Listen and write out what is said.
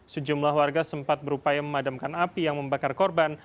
sejumlah warga sempat berupaya memadamkan api yang membakar korban